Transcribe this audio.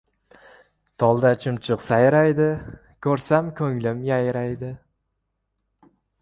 — Tolda chumchuq sayraydi, ko‘rsam ko‘nglim yayraydi.